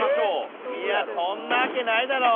いやそんなわけないだろ。